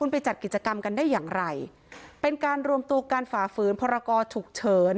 ไปจัดกิจกรรมกันได้อย่างไรเป็นการรวมตัวการฝ่าฝืนพรกรฉุกเฉิน